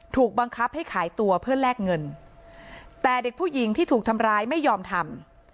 ถูกบังคับให้ขายตัวเพื่อแลกเงินแต่เด็กผู้หญิงที่ถูกทำร้ายไม่ยอมทำ